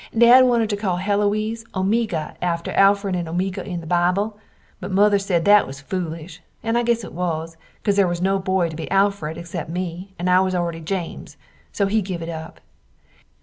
Dad wanted to call Heloise Omeega after Alfred and Omeega in the Bibel, but Mother sed that was foolish and I guess it was, cause there was no boy to be Alfred excep me, and I was alredy James, so he give it up.